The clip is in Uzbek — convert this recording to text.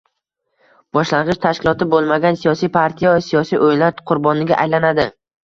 Boshlang'ich tashkiloti bo'lmagan siyosiy partiya siyosiy o'yinlar qurboniga aylanadi